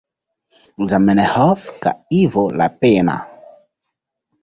Zamenhof kaj Ivo Lapenna.